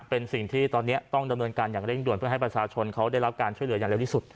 เป็นสิ่งที่ตอนนี้ต้องดำเนินการอย่างเร่งด่วนเพื่อให้ประชาชนเขาได้รับการช่วยเหลืออย่างเร็วที่สุด